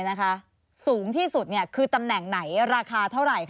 สูงที่สุดคือตำแหน่งไหนราคาเท่าไหร่